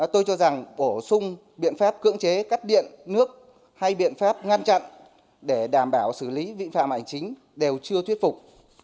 tôi cho rằng bổ sung biện pháp cưỡng chế cắt điện nước hay biện pháp ngăn chặn để đảm bảo xử lý vi phạm hành chính đều chưa thuyết phục